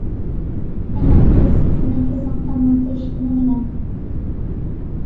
ھەي ناكەس، سېنىڭ كۆزۈڭ تامنىڭ تۆشۈكىمۇ نېمە!